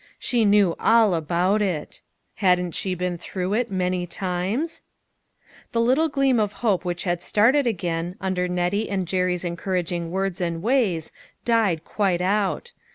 She knew all about it ! Hadn't she been through it many times ? The little gleam of hope which had started again, under Nettie and Jerry's encouraging 246 UTTLE FISHERS: AND THEIR JTETB. words and ways, died quite out.